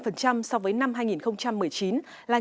là những lợi ích của các trường